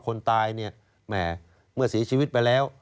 คนตายเนี่ยแหมเมื่อเสียชีวิตไปแล้ว